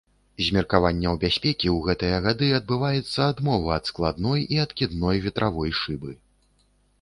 З меркаванняў бяспекі ў гэтыя гады адбываецца адмова ад складной і адкідной ветравой шыбы.